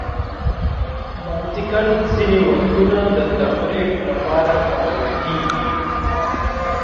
بایسکل ځینې وختونه د تفریح لپاره کارول کېږي.